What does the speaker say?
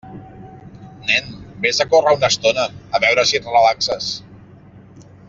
Nen, vés a córrer una estona, a veure si et relaxes.